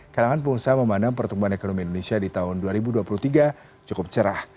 kalangan pengusaha memandang pertumbuhan ekonomi indonesia di tahun dua ribu dua puluh tiga cukup cerah